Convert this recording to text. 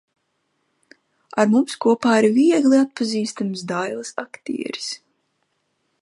Ar mums kopā ir viegli atpazīstams Dailes aktieris.